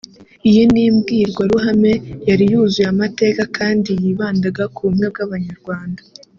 Iyi ni imbwirwaruhame yari yuzuye amateka kandi yibandaga ku bumwe bw’Abanyarwanda